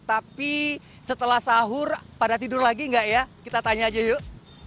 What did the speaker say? tapi setelah sahur pada tidur lagi enggak ya kita tanya aja yuk